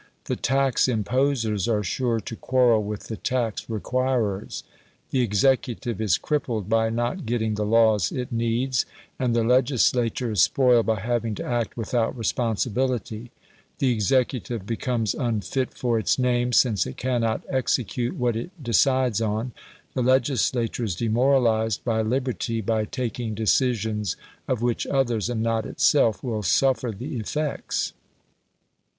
The tax imposers are sure to quarrel with the tax requirers. The executive is crippled by not getting the laws it needs, and the legislature is spoiled by having to act without responsibility: the executive becomes unfit for its name, since it cannot execute what it decides on; the legislature is demoralised by liberty, by taking decisions of which others (and not itself) will suffer the effects.